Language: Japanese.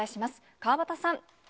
川畑さん。